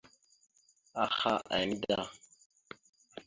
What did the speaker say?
Aha ene da.